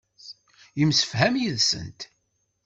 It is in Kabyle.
Yemsefham yid-sent.